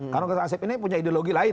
karena organisasi asep ini punya ideologi lain